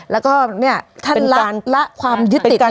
แล้วก็นี่ท่านละละความยึดติตในกาย